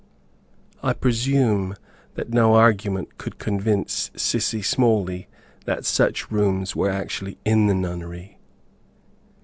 I presume that no argument could convince little Sissy Smalley that such rooms were actually in the nunnery.